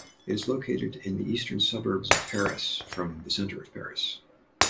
It is located in the eastern suburbs of Paris, from the center of Paris.